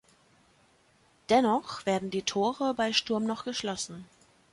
Dennoch werden die Tore bei Sturm noch geschlossen.